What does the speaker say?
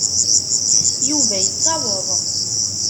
Yuba yettaweḍ.